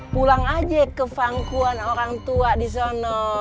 pulang aja ke vangkuan orang tua di sono